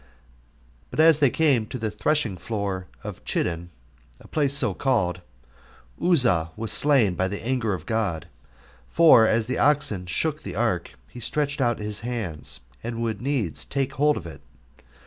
But as they were come to the threshing floor of Chidon, a place so called, Uzzah was slain by the anger of God; for as the oxen shook the ark, he stretched out his hand, and would needs take hold of it.